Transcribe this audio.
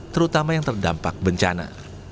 terutama yang terdampak bencana